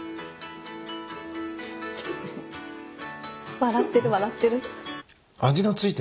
笑ってる笑ってる。